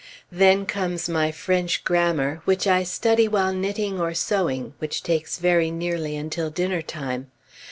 Then comes my French grammar, which I study while knitting or sewing, which takes very nearly until dinner time.